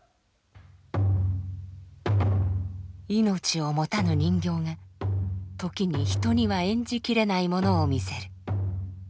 命を持たぬ人形が時に人には演じきれないものを見せる。